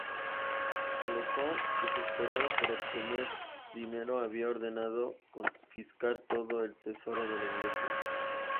Alejo, desesperado por obtener dinero, había ordenado confiscar todo el tesoro de la iglesia.